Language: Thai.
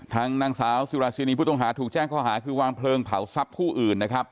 นางสาวสุราชินีผู้ต้องหาถูกแจ้งข้อหาคือวางเพลิงเผาทรัพย์ผู้อื่นนะครับ